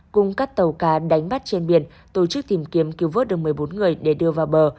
cùng các tàu cá đánh bắt trên biển tổ chức tìm kiếm cứu vớt được một mươi bốn người để đưa vào bờ